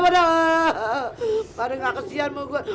padahal pada nggak kesian mau gue